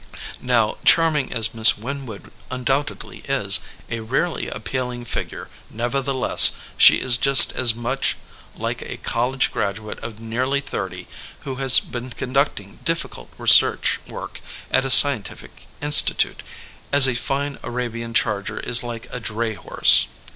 '' Now, charming as Miss Winwood undoubtedly is, a rarely appealing figure, nevertheless she is just as much like a college graduate of nearly thirty who has been conducting difficult research work at a scientific institute, as a fine Arabian charger is like a dray horse.